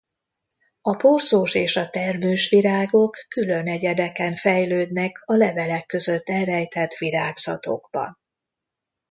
A porzós és a termős virágok külön egyedeken fejlődnek a levelek között elrejtett virágzatokban.